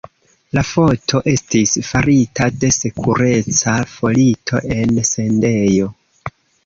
La foto estis farita de sekureca fotilo en vendejo.